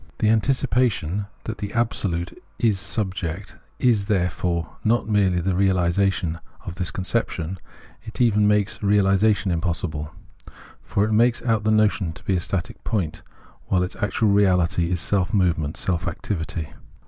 The anticipation that the Absolute is subject is therefore not merely not the realisation of this con ception ; it even makes reahsation impossible. For it makes out the notion to be a static point, while its actual reahty is self movement, self activity.